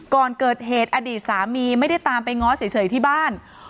ก่อนเกิดเหตุอดีตสามีไม่ได้ตามไปง้อเฉยที่บ้าน